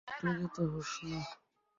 উত্তেজিত হোস না।